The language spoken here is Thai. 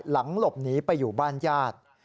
หลังหลบหนีไปอยู่บ้านญาติ